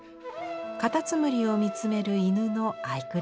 カタツムリを見つめる犬の愛くるしさ。